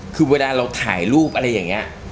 คือเวลาเราถ่ายรูปอะไรอย่างนี้